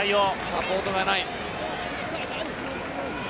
サポートがない。